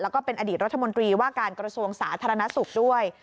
แล้วก็เป็นอดีตรัฐมนตรีว่าการกระทรวงสาธารณสุขด้วย